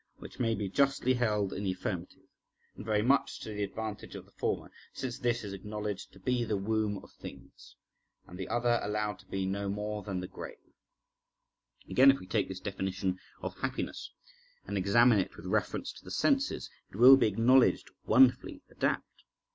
which may be justly held in the affirmative, and very much to the advantage of the former, since this is acknowledged to be the womb of things, and the other allowed to be no more than the grave. Again, if we take this definition of happiness and examine it with reference to the senses, it will be acknowledged wonderfully adapt.